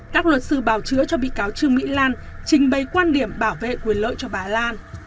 các luật sư bảo chữa cho bị cáo trương mỹ lan trình bày quan điểm bảo vệ quyền lợi cho bà lan